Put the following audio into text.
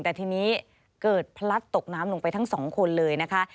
แต่ทีนี้เกิดพลัดตกน้ำลงไปทั้งสองคนเลยนะคะ